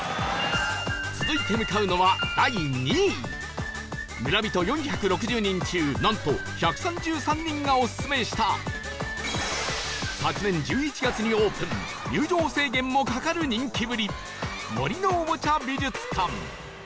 続いて向かうのは第２位村人４６０人中なんと１３３人がオススメした昨年１１月にオープン入場制限もかかる人気ぶり森のおもちゃ美術館